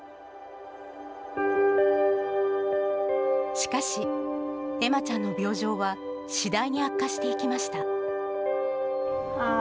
しかし、恵麻ちゃんの病状は次第に悪化していきました。